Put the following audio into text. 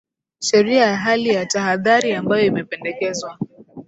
sheria ya hali ya tahadhari ambayo imependekezwa